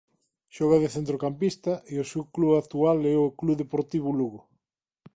Xoga de centrocampista e o seu club actual é o Club Deportivo Lugo.